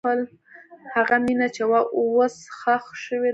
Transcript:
هغه مینه چې وه، اوس ښخ شوې ده.